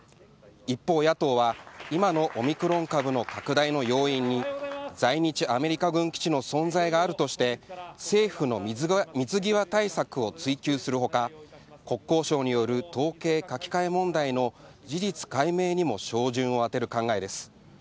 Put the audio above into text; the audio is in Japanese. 一方、野党は今のオミクロン株の拡大の要因に、在日アメリカ軍基地の存在があるとして、政府の水際対策を追及するほか、国交省による統計書き換え問題の事実解明にも照準を当てる考えです。